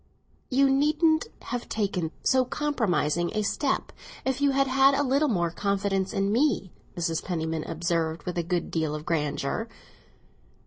"You needn't have taken so compromising a step if you had had a little more confidence in me," Mrs. Penniman observed, with a good deal of grandeur.